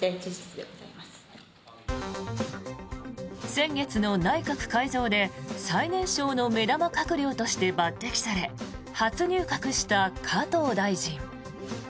先月の内閣改造で最年少の目玉閣僚として抜てきされ初入閣した加藤大臣。